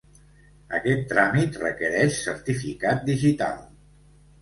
Aquest tràmit requereix certificat digital.